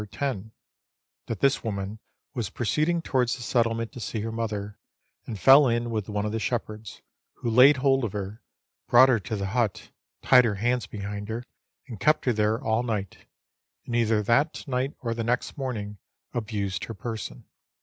10 ; that this woman was proceeding towards the settlement to see her mother, and fell in with one of the shepherds, who laid hold of her, brought her to the hut, tied her hands behind her, and kept her there all night, and either that night or the next morning abused her person.